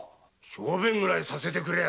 小便ぐらいさせてくれ。